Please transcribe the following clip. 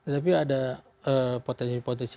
tapi ada potensi potensi